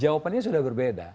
jawabannya sudah berbeda